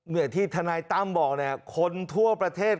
เหนือที่ทนายตั้มบอกคนทั่วประเทศ